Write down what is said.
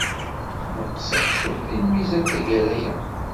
Neqseɣ cwiṭ deg lmizan tagara-a.